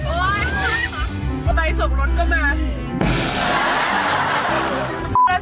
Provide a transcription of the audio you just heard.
โอ้ยใครส่งรถก็มา